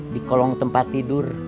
di kolong tempat tidur